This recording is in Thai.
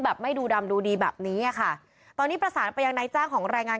ไม่ดูดำดูดีแบบนี้อ่ะค่ะตอนนี้ประสานไปยังนายจ้างของแรงงาน